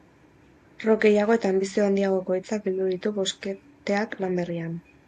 Rock gehiago eta anbizio handiagoko hitzak bildu ditu boskoteak lan berrian.